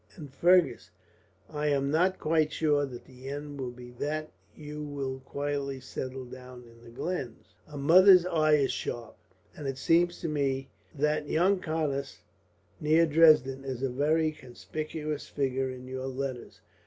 "And, Fergus, I am not quite sure that the end will be that you will quietly settle down in the glens. A mother's eye is sharp, and it seems to me that that young countess near Dresden is a very conspicuous figure in your letters.